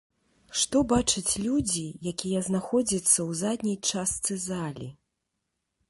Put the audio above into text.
Што бачаць людзі, якія знаходзяцца ў задняй частцы залі?